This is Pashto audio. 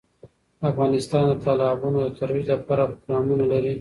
افغانستان د تالابونه د ترویج لپاره پروګرامونه لري.